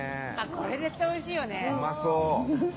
これ絶対おいしいよね！